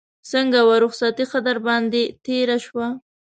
څنګه وه رخصتي ښه در باندې تېره شوه.